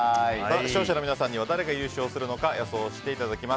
視聴者の皆さんには誰が優勝するのか予想していただきます。